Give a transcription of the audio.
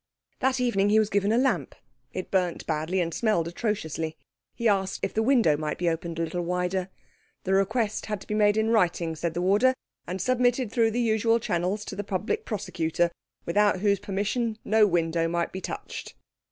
That evening he was given a lamp. It burnt badly and smelt atrociously. He asked if the window might be opened a little wider. The request had to be made in writing, said the warder, and submitted through the usual channels to the Public Prosecutor, without whose permission no window might be touched.